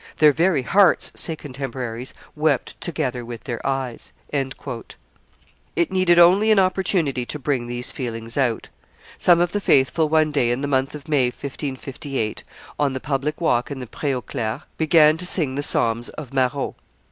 'Their very hearts,' say contemporaries, 'wept together with their eyes.'" It needed only an opportunity to bring these feelings out. Some of the faithful one day in the month of May, 1558, on the public walk in the Pre aux Clercs, began to sing the psalms of Marot.